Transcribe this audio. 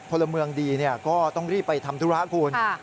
พลเมืองดีก็ต้องรีบไปทำธุระคุณ